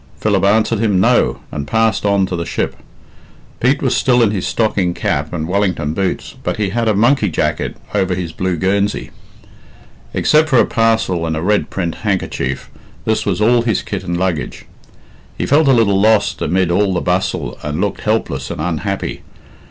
Philip answered him "No," and passed on to the ship. Pete was still in his stocking cap and Wellington boots, but he had a monkey jacket over his blue guernsey. Except for a parcel in a red print handkerchief, this was all his kit and luggage. He felt a little lost amid all the bustle, and looked helpless and unhappy.